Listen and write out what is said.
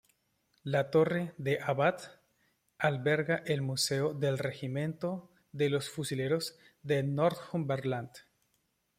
La Torre del Abad alberga el Museo del Regimiento de los Fusileros de Northumberland..